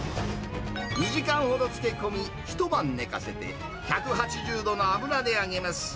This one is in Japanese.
２時間ほど漬け込み、一晩寝かせて、１８０度の油で揚げます。